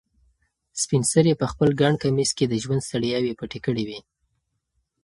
سپین سرې په خپل ګڼ کمیس کې د ژوند ستړیاوې پټې کړې وې.